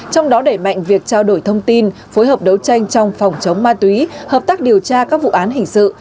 trong đó để mạnh việc trao đổi thông tin phối hợp đấu tranh trong phòng chống ma túy hợp tác điều tra các vụ án hình sự